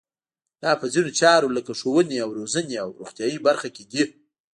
دا په ځینو چارو لکه ښوونې او روزنې او روغتیایي برخه کې دي.